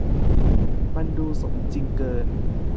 มันดูสมจริงเกิน